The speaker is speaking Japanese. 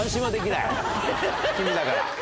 君だから。